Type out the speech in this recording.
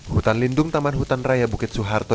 hutan lindung taman hutan raya bukit suharto